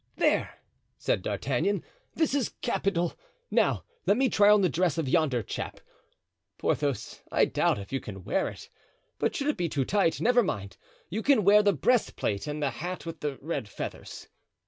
"There," said D'Artagnan, "this is capital! Now let me try on the dress of yonder chap. Porthos, I doubt if you can wear it; but should it be too tight, never mind, you can wear the breastplate and the hat with the red feathers."